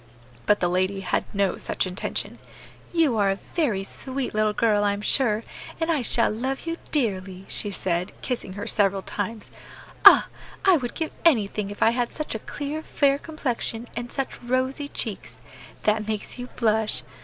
But the lady had no such intention. "You are a very sweet little girl, I am sure, and I shall love you dearly," she said, kissing her several times. "Ah! I would give anything if I had such a clear fair complexion and such rosy cheeks. That makes you blush.